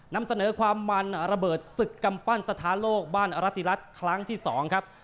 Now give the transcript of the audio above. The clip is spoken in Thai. นำเสนอความมันระเบิดศึกกำปั้นสถานโลกบ้านอรติรัฐครั้งที่๒ครับ